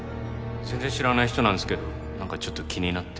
全然知らない人なんですけどなんかちょっと気になって。